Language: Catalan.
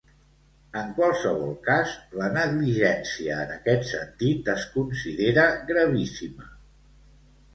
En qualsevol cas, la negligència en aquest sentit es considera gravíssima.